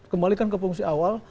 kembalikan ke fungsi awal